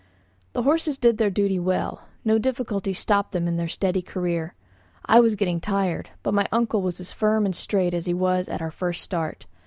The horses did their duty well, no difficulties stopped them in their steady career. I was getting tired; but my uncle was as firm and straight as he was at our first start.